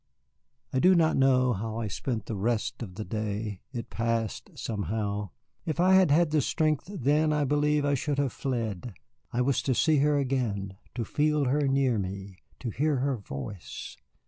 I do not know how I spent the rest of the day. It passed, somehow. If I had had the strength then, I believe I should have fled. I was to see her again, to feel her near me, to hear her voice.